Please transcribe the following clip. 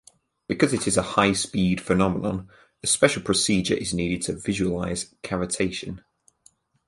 Because it is a high-speed phenomenon, a special procedure is needed to visualize cavitation.